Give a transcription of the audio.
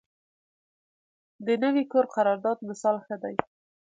د نوي کور قرارداد مثال ښه دی.